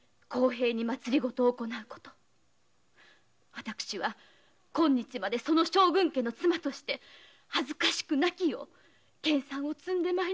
私は今日までその将軍家の妻として恥ずかしくなきよう研鑽を積んでまいりました。